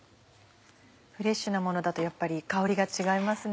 フレッシュなものだとやっぱり香りが違いますね。